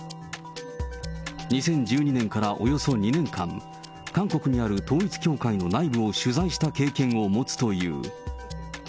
２０１２年からおよそ２年間、韓国にある統一教会の内部を取材した経験を持つという。